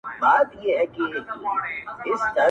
پروت ارمان مي ستا د غېږي ستا د خیال پر سره پالنګ دی,